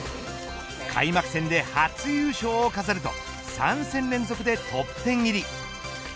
開幕戦で初優勝を飾ると３戦連続でトップ１０入り。